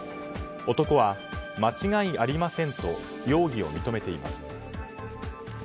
男は、間違いありませんと容疑を認めています。